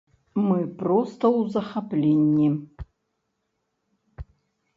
Мы проста ў захапленні!